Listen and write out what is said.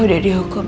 gue udah dihukum